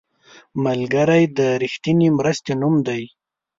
ملګری د رښتینې مرستې نوم دی